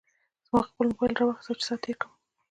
ما خپل موبایل راواخیست چې ساعت تېر کړم.